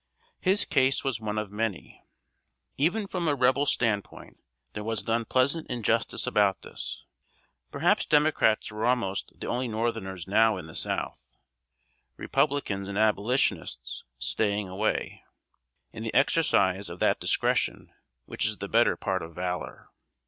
His case was one of many. Even from a Rebel standpoint, there was an unpleasant injustice about this. Perhaps Democrats were almost the only northerners now in the South Republicans and Abolitionists staying away, in the exercise of that discretion which is the better part of valor.